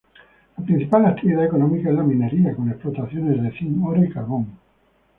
La principal actividad económica es la minería, con explotaciones de zinc, oro y carbón.